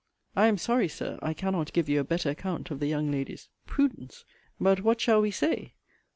I am sorry, Sir, I cannot give you a better account of the young lady's 'prudence.' But, what shall we say?